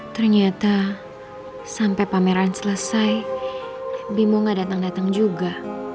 ternyata sampe pameran selesai bimo gak dateng dateng juga